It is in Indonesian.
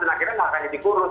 dan akhirnya makannya dikurus